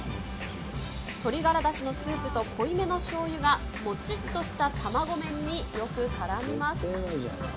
鶏がらだしのスープと濃いめのしょうゆがもちっとした卵麺によく絡みます。